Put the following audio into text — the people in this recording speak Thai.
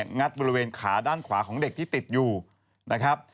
งัดบริเวณขาด้านขวาของเด็กที่ติดอยู่นะครับ